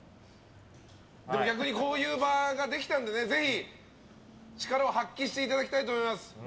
でも逆にこういう場ができたのでぜひ力を発揮していただきたいと思います。